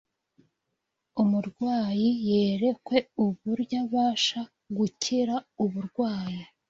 Umurwayi yerekwe uburyo abasha gukira uburwayi